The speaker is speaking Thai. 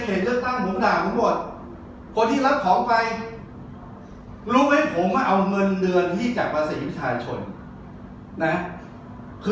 คุณทำอย่างนี้ไม่ได้อาจารย์ออก